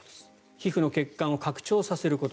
皮膚の血管を拡張させること。